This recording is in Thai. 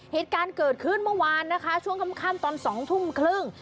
เหตุการณ์เกิดขึ้นเมื่อวานนะคะช่วงค่ำตอน๒ทุ่มครึ่ง